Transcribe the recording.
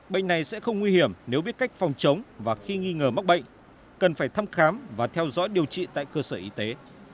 bệnh này sẽ không nguy hiểm nếu biết cách phòng chống và khi nghi ngờ mắc bệnh cần phải thăm khám và theo dõi điều trị tại cơ sở y tế